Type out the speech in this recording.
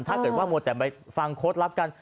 ถ้าเกิดว่ามัวแต่ไปฟังโค้ดลับกัน